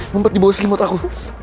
mumpet di bawah sikimot aku